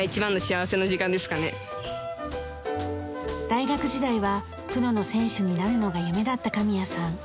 大学時代はプロの選手になるのが夢だった神矢さん。